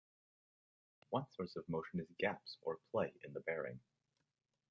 One source of motion is gaps or "play" in the bearing.